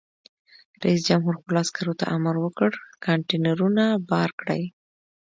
رئیس جمهور خپلو عسکرو ته امر وکړ؛ کانټینرونه بار کړئ!